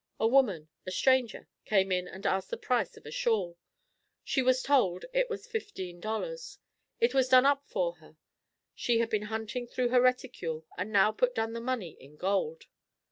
A woman, a stranger, came in and asked the price of a shawl. She was told it was $15.00. It was done up for her. She had been hunting through her reticule and now put down the money in gold.